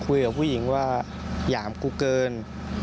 พูดได้ยินคุยกับผู้หญิงว่าหยามกูเกิน